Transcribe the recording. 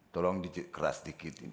tolong keras dikit